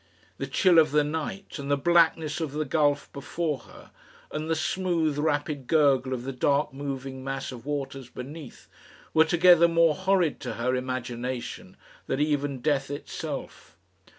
The chill of the night, and the blackness of the gulf before her, and the smooth rapid gurgle of the dark moving mass of waters beneath, were together more horrid to her imagination than even death itself.